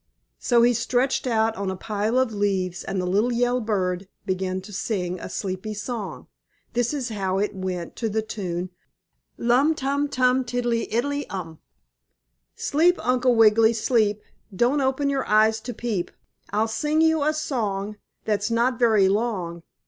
So he stretched out on a pile of leaves, and the little yellow bird began to sing a sleepy song. This is how it went, to the tune "Lum tum tum tiddily iddily um:" "Sleep, Uncle Wiggily, sleep. Don't open your eyes to peep. I'll sing you a song, That's not very long.